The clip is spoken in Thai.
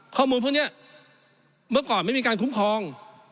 ข้อมูลพวกนี้เมื่อก่อนไม่มีการคุ้มครอง